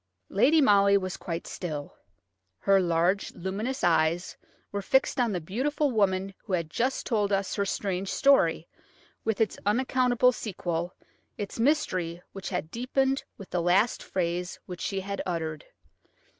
Lady Molly was quite still. Her large, luminous eyes were fixed on the beautiful woman who had just told us her strange story, with its unaccountable sequel, its mystery which had deepened with the last phrase which she had uttered.